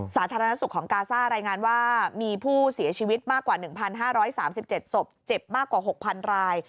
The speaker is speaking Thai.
สาธารณสุขของกาซ่ารายงานว่ามีผู้เสียชีวิตมากกว่า๑๕๓๗ศพเจ็บมากกว่า๖๐๐ราย